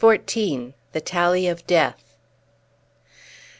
THE TALLY OF DEATH.